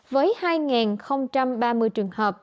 với hai ba mươi trường hợp